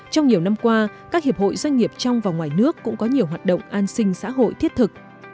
trong nhiều năm qua các hiệp hội doanh nghiệp trong và ngoài nước cũng có nhiều hoạt động an sinh xã hội thiết thực